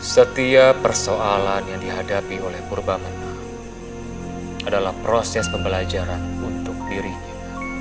setiap persoalan yang dihadapi oleh purba menang adalah proses pembelajaran untuk dirinya